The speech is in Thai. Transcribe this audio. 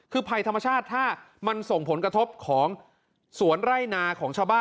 คือภัยธรรมชาติถ้ามันส่งผลกระทบของสวนไร่นาของชาวบ้าน